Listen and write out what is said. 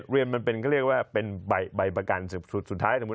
เรียนมันก็เรียกว่าเป็นใบประกันสุดท้าย